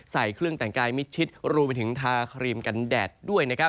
ใส่เครื่องแต่งกายมิดชิดรวมไปถึงทาครีมกันแดดด้วยนะครับ